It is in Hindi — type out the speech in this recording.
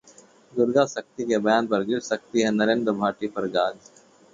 दुर्गा शक्ति के बयान पर गिर सकती है नरेन्द्र भाटी पर गाज